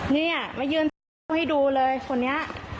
เนี่ยมายืนให้ดูเลยคนนี้